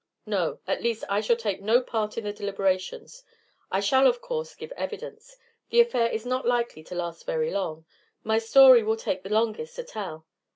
"No; at least I shall take no part in the deliberations. I shall, of course, give evidence. The affair is not likely to last very long; my story will take the longest to tell.